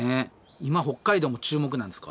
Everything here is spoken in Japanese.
今北海道も注目なんですか？